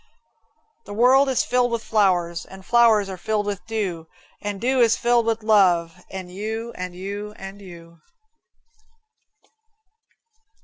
The world is filled with flowers, And flowers are filled with dew, And dew is filled with love And you and you and you.